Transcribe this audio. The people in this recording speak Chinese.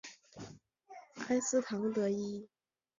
埃斯唐德伊。